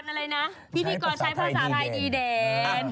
เหมือนเคลียร์แม่มีดีพิธีกรอะไรนะพิธีกรใช้ภาษาไทยดีเด่น